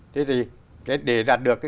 thế thì để đạt được